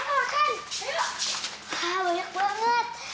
wah banyak banget